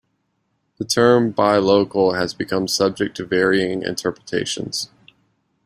The term "Buy Local" has become subject to varying interpretations.